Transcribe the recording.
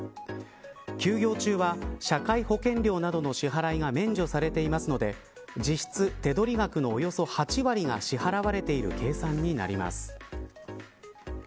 休業中は社会保険料などの支払いが免除されていますので実質、手取り額のおよそ８割が支払われている計算になります。